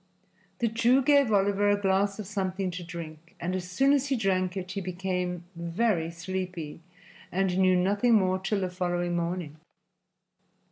The Jew gave Oliver a glass of something to drink, and as soon as he drank it he became very sleepy and knew nothing more till the following morning.